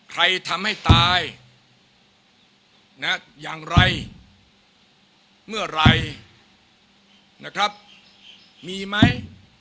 ใครทำให้ตายอย่างไรเมื่อไหร่นะครับมีไหม